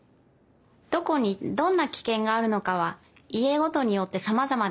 どこにどんなキケンがあるのかは家ごとによってさまざまです。